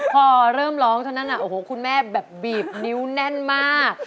พอเริ่มร้องเท่านั้นโอ้โหคุณแม่แบบบีบนิ้วแน่นมาก